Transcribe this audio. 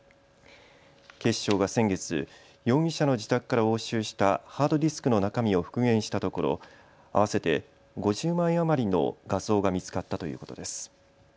警視庁が先月、容疑者の自宅から押収したハードディスクの中身を復元したところ合わせて５０枚余りの画像が見つかったということです。